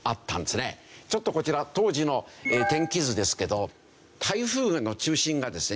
ちょっとこちら当時の天気図ですけど台風の中心がですね